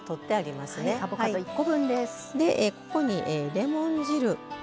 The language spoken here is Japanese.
でここにレモン汁。